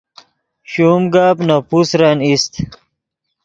شوم گپ نے پوسرن ایست